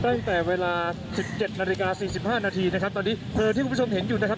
ตั้งแต่เวลา๑๗นาฬิกา๔๕นาทีนะครับตอนนี้เผลอที่คุณผู้ชมเห็นอยู่นะครับ